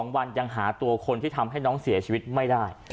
๒วันยังหาตัวคนที่ทำให้น้องเสียชีวิตไม่ได้